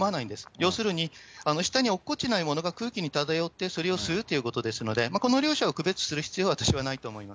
要するに、下に落っこちないものが空気に漂って、それを吸うということですので、この両者を区別する必要は私はないと思います。